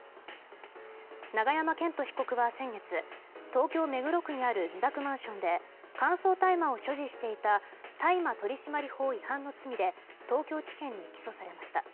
永山絢斗被告は、先月東京・目黒区にある自宅マンションで乾燥大麻を所持していた大麻取締法違反の罪で東京地検に起訴されました。